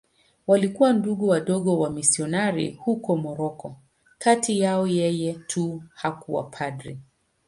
Walikuwa Ndugu Wadogo wamisionari huko Moroko.Kati yao yeye tu hakuwa padri.